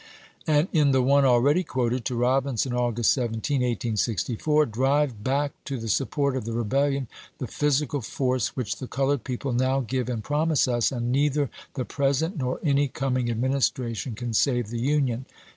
And in the one already quoted, to Robinson, August 17, 1864 :" Drive back to the support of the rebellion the physical force which the colored people now give and promise us, and neither the present nor any coming Administration can save the Union.